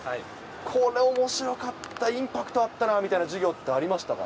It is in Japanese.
これおもしろかった、インパクトあったなみたいな授業っていうのありましたか？